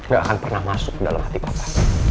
gak akan pernah masuk dalam hati kota